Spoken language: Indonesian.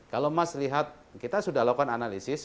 kalau mas lihat kita sudah lakukan analisis